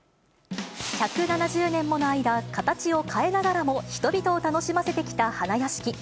１７０年もの間、形を変えながらも、人々を楽しませてきた花やしき。